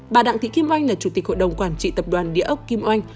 bà đặng thị kim oanh là chủ tịch hội đồng quản trị tập đoàn địa ốc kim oanh